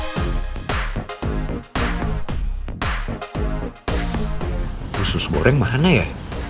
khusus goreng mana ya